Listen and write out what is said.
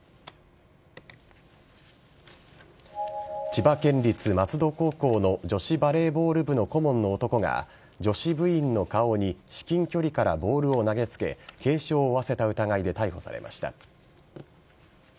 千葉県立松戸高校の女子バレーボール部の顧問の男が女子部員の顔に至近距離からボールを投げつけ軽傷を負わせた疑いで逮捕されました。